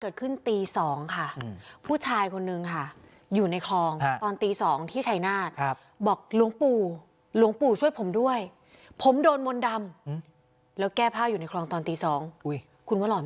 เกิดขึ้นตี๒ค่ะผู้ชายคนหนึ่งค่ะอยู่ในคลองตอนตี๒ที่ชัยนาตบอกหลวงปู่หลวงปู่ช่วยผมด้วยผมโดนมนด่มเข้าอยู่ในคลองตอนตี๒คุณว่าหล่อมั้ยล่ะ